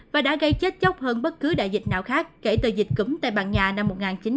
và đã gây chết chóc hơn bất cứ đại dịch nào khác kể từ dịch cúm tây ban nha năm một nghìn chín trăm chín mươi